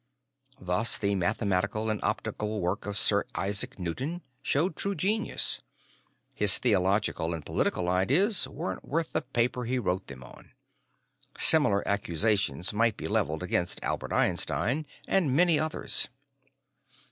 Thus, the mathematical and optical work of Sir Isaac Newton show true genius; his theological and political ideas weren't worth the paper he wrote them on. Similar accusations might be leveled against Albert Einstein and many others.